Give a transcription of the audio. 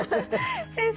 先生